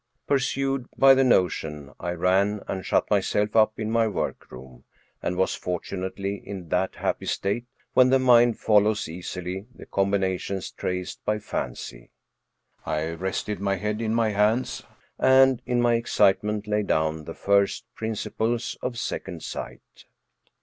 Pursued by the notion, I ran and shut myself up in my workroom, and was fortunately in that happy state when the mind follows easily the combinations traced by fancy. I rested my hand in my hands, and, in my excitement, laid down the first principles of second sight.